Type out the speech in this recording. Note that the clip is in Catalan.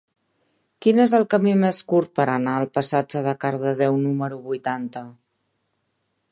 Quin és el camí més curt per anar al passatge de Cardedeu número vuitanta?